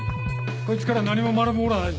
こいつから何も学ぶものはないぞ。